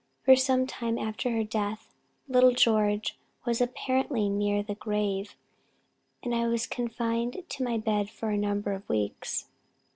For some time after her death, little George was apparently near the grave, and I was confined to my bed for a number of weeks.